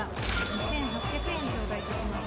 ２８００円頂戴いたします